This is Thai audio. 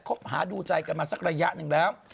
คบหาดูใจกันมาสักระยะหนึ่งแล้ว